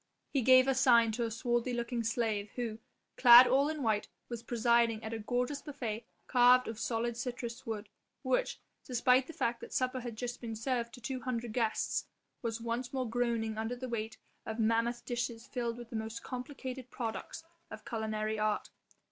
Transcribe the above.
He gave a sign to a swarthy looking slave, who, clad all in white, was presiding at a gorgeous buffet carved of solid citrus wood which despite the fact that supper had just been served to two hundred guests was once more groaning under the weight of mammoth dishes filled with the most complicated products of culinary art.